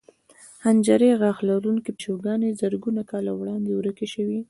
خنجري غاښ لرونکې پیشوګانې زرګونو کاله وړاندې ورکې شوې.